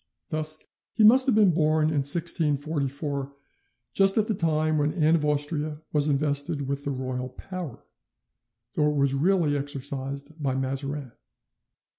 Thus he must have been born in 1644, just at the time when Anne of Austria was invested with the royal power, though it was really exercised by Mazarin.